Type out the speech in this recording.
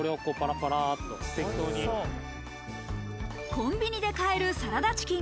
コンビニで買えるサラダチキン。